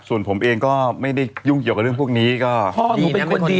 ส่วนผมเองก็ไม่ได้ยุ่งเกี่ยวกับเรื่องพวกนี้ก็ดีนะ